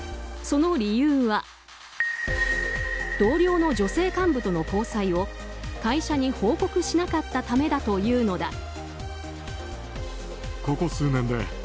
その理由は同僚の女性幹部との交際を会社に報告しなかったためだというのだ。